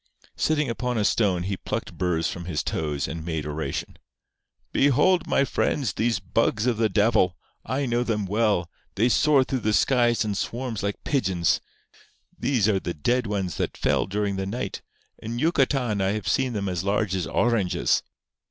Sitting upon a stone, he plucked burrs from his toes, and made oration: "Behold, my friends, these bugs of the devil! I know them well. They soar through the skies in swarms like pigeons. These are the dead ones that fell during the night. In Yucatan I have seen them as large as oranges.